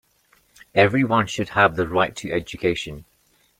Everyone should have the right to education.